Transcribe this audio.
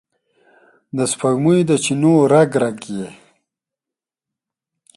د سپوږمۍ د چېنو رګ، رګ یې،